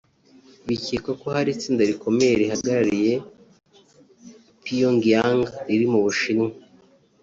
bikekwa ko hari itsinda rikomeye rihagarariye Pyongyang riri mu Bushinwa